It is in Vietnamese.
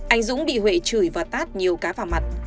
anh dũng bị huệ chửi và tát nhiều cá vào mặt